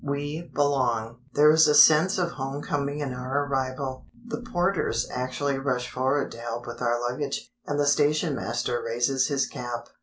We "belong." There is a sense of home coming in our arrival. The porters actually rush forward to help with our luggage, and the station master raises his cap.